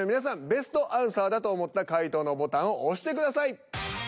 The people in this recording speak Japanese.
ベストアンサーだと思った回答のボタンを押してください。